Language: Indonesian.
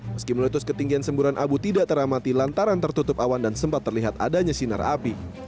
meski meletus ketinggian semburan abu tidak teramati lantaran tertutup awan dan sempat terlihat adanya sinar api